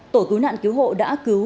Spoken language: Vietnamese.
tổ cứu nạn cứu hộ đã cứu